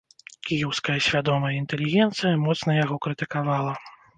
Кіеўская свядомая інтэлігенцыя моцна яго крытыкавала.